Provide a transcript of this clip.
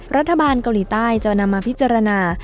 รัฐบาลเกาหลีใต้จะนำมาพิจารณา